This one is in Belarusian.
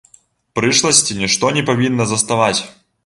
Прышласці нішто не павінна заставаць.